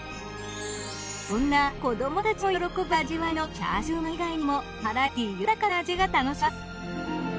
そんな子どもたちも喜ぶ味わいのチャーシューまん以外にもバラエティー豊かな味が楽しめます。